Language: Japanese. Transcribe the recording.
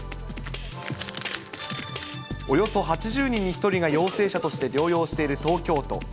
およそ８０人に１人が陽性者として療養している東京都。